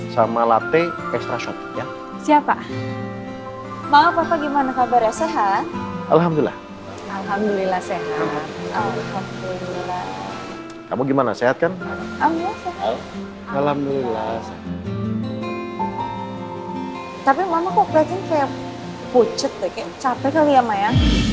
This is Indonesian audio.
sampai jumpa di video selanjutnya